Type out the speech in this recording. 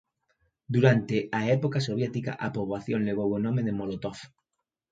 Durante a época soviética a poboación levou o nome de Molotov.